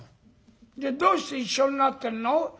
「じゃあどうして一緒になってんの？」。